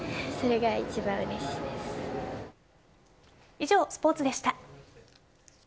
以上、スポーツでした。